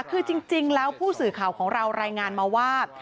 คือจริงแล้วผู้สื่อข่าวของเรารายงานมาว่า